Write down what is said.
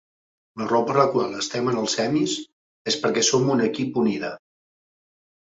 La raó per la qual estem en el Semis és perquè som un equip unida.